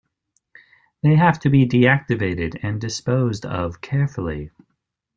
They have to be deactivated and disposed of carefully.